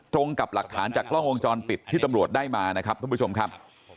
กับหลักฐานจากกล้องวงจรปิดที่ตำรวจได้มานะครับท่านผู้ชมครับ